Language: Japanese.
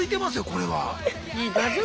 これは。